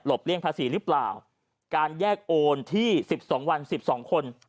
หลบเลี่ยงภาษีหรือเปล่าการแยกโอนที่สิบสองวันสิบสองคน